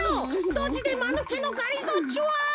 ドジでまぬけのがりぞーちゅわん。